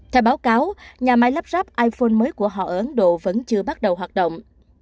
theo báo cáo nhà máy lắp ráp iphone mới của họ ở ấn độ vẫn chưa bắt đầu hoạt động